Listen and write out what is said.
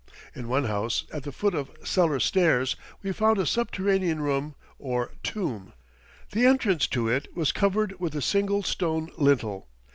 In one house, at the foot of "cellar stairs" we found a subterranean room, or tomb. The entrance to it was covered with a single stone lintel.